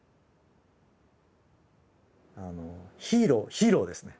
ヒーローですね。